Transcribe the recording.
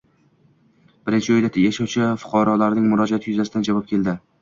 Birinchi uyda yashovchi fuqarolarning murojaati yuzasidan javob keldi.